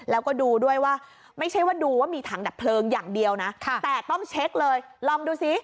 แล้วก็ดูด้วยว่าไม่ใช่ว่าดูว่ามีถังดับเพลิงอย่างเดียวนะแต่ต้องเช็คเลยลองดูซิ